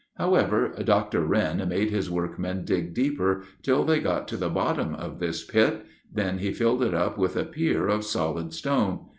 However, Dr. Wren made his workmen dig deeper, till they got to the bottom of this pit; then he filled it up with a pier of solid stone.